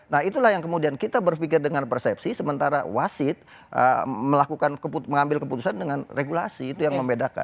nah itulah yang kemudian kita berpikir dengan persepsi sementara wasit melakukan mengambil keputusan dengan regulasi itu yang membedakan